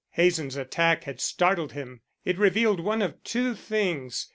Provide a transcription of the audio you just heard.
Hazen's attack had startled him. It revealed one of two things.